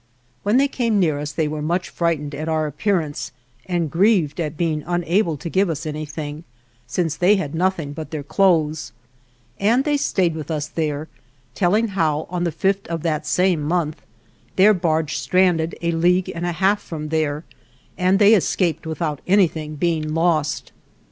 When they came near us they were much THE JOURNEY OF frightened at our appearance and grieved at being unable to give us anything, since they had nothing but their clothes. And they stayed with us there, telling how, on the fifth of that same month, their barge strand ed a league and a half from there, and they escaped without anything being lost.